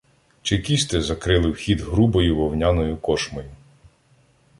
Чекісти закрили вхід грубою вовняною кошмою.